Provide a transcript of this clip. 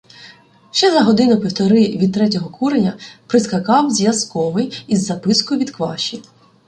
Ще за годину-півтори від Третього куреня прискакав зв'язковий із запискою від Кваші.